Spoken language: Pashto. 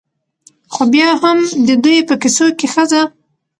؛ خو بيا هم د دوى په کيسو کې ښځه